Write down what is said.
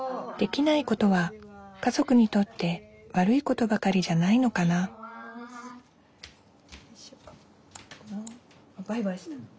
できないことは家族にとって悪いことばかりじゃないのかなバイバイした。